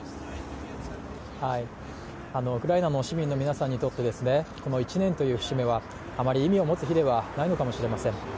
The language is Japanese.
ウクライナの市民の皆さんにとって、１年という節目はあまり意味を持つ日ではないのかもしれません。